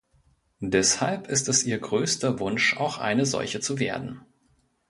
Deshalb ist es ihr größter Wunsch auch eine solche zu werden.